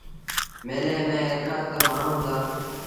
ميلي ميݩ ايترآ تا مآڻهوٚݩ هُݩدآ۔